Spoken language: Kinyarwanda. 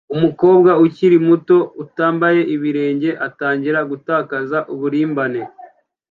Umukobwa ukiri muto utambaye ibirenge atangira gutakaza uburimbane